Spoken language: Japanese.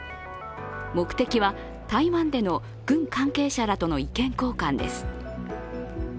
目的は、台湾での軍関係者らとの意見交換です。